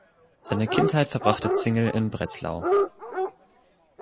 Seine Kindheit verbrachte Zingel in Breslau.